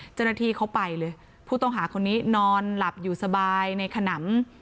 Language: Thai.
เจ้าหน้าที่เขาไปเลยผู้ต้องหาคนนี้นอนหลับอยู่สบายในขนำ